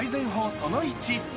その１。